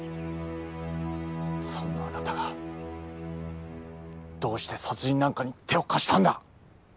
そんなあなたがどうして殺人なんかに手を貸したんだ！